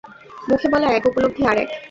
মুখে বলা এক, উপলব্ধি আর এক।